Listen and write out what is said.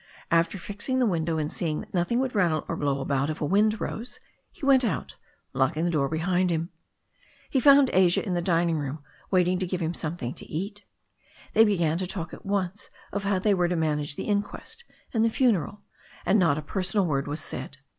After fixing the window and seeing that nothing would rattle or blow about if a wind arose, he went out, locking the door behind him. He found Asia in the dining room waiting to give him something to eat. They began to talk at once of how they were to manage the inquest and the funeral, and not a ' personal word was said.